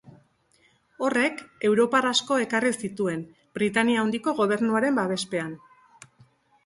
Horrek europar asko ekarri zituen, Britainia Handiko gobernuaren babespean.